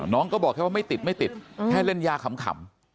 น้องก็บอกแค่ว่าไม่ติดไม่ติดแค่เล่นยาขำ